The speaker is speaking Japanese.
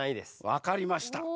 わかりました。